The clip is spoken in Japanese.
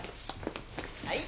はい。